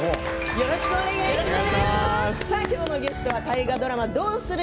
よろしくお願いします。